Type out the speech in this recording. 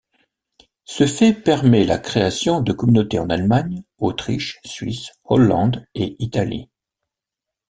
Ce fait permait la création de communautés en Allemagne, Autriche, Suisse, Hollande et Italie.